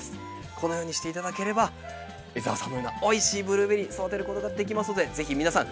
こんなふうにしていただければ江澤さんのようなおいしいブルーベリー育てることができますのでぜひ皆さん